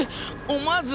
思わず。